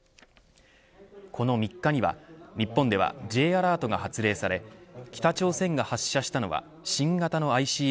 この３日には、日本ではＪアラートが発令され北朝鮮が発射したのは新型のＩＣＢＭ